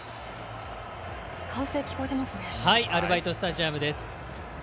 アルバイトスタジアムです。